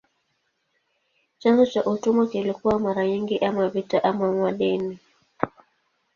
Chanzo cha utumwa kilikuwa mara nyingi ama vita ama madeni.